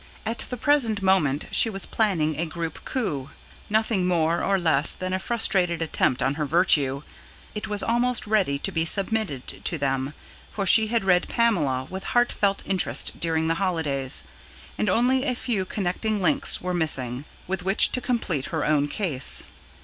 At the present moment she was planning a great coup: nothing more or less than a frustrated attempt on her virtue. It was almost ready to be submitted to them for she had read PAMELA with heartfelt interest during the holidays and only a few connecting links were missing, with which to complete her own case.